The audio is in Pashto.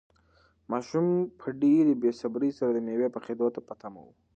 ماشوم په ډېرې بې صبري سره د مېوې پخېدو ته په تمه و.